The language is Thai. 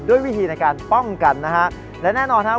ด้วยวิธีในการป้องกันนะครับและแน่นอนนะครับ